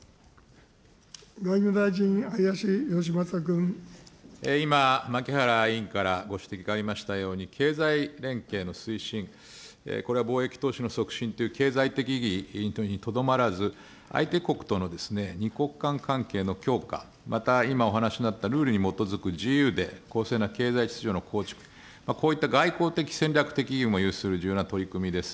外務大臣、今、牧原委員からご指摘がありましたように、経済連携の推進、これは貿易投資の促進という経済的意義にとどまらず、相手国との２国間関係の強化、また今お話にあったルールに基づく自由で公正な経済秩序の構築、こういった外交的戦略を有する重要な取り組みです。